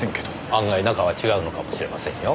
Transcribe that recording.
案外中は違うのかもしれませんよ。